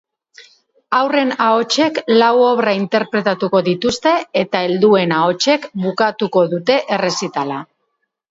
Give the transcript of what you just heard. Haurren ahotsek lau obra interpretatuko dituzte eta helduen ahotsek bukatuko dute errezitala.